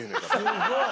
すごい！